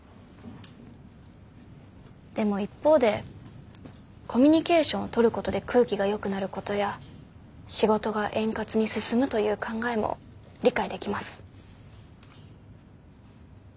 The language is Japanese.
でも一方でコミュニケーションを取ることで空気がよくなることや仕事が円滑に進むという考えも理解できます。